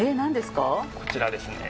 こちらですね。